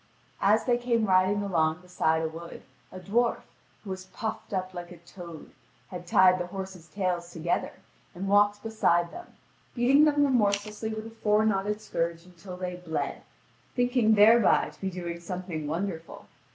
As they came riding along beside a wood, a dwarf, who was puffed up like a toad, had tied the horses' tails together, and walked beside them, beating them remorselessly with a four knotted scourge until they bled, thinking thereby to be doing something wonderful.